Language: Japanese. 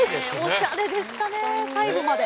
おしゃれでしたね最後まで。